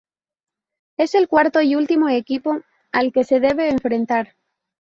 Es el cuarto y último equipo al que se debe enfrentar.